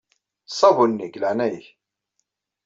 Ṣṣabun-nni, deg leɛnaya-k.